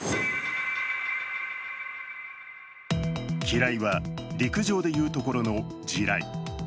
機雷は陸上でいうところの地雷。